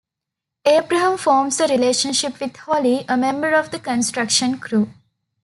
Abraham forms a relationship with Holly, a member of the construction crew.